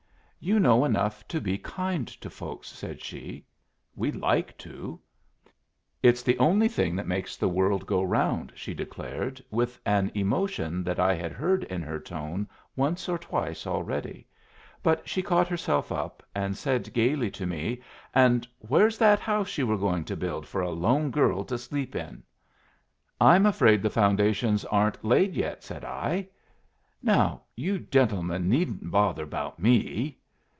"You know enough to be kind to folks," said she. "We'd like to." "It's the only thing makes the world go round!" she declared, with an emotion that I had heard in her tone once or twice already. But she caught herself up, and said gayly to me, "And where's that house you were going to build for a lone girl to sleep in?" "I'm afraid the foundations aren't laid yet," said I. "Now you gentlemen needn't bother about me."